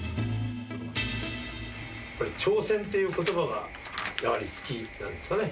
挑戦っていう言葉がやはり好きなんですかね。